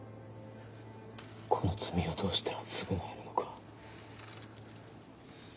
この罪をどうしたら償えるのか。